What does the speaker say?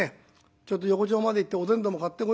ちょっと横町まで行っておでんでも買ってこようか？」。